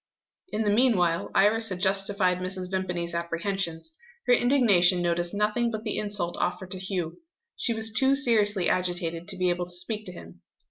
In the meanwhile, Iris had justified Mrs. Vimpany's apprehensions. Her indignation noticed nothing but the insult offered to Hugh. She was too seriously agitated to be able to speak to him.